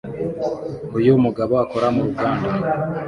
Uyu mugabo akora mu ruganda